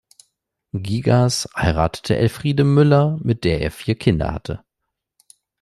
Gigas heiratete Elfriede Müller, mit der er vier Kinder hatte.